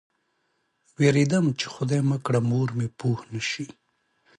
وېرېدم چې خدای مه کړه مور مې پوه نه شي.